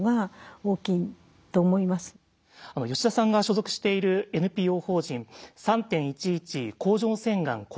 吉田さんが所属しているＮＰＯ法人３・１１甲状腺がん子ども基金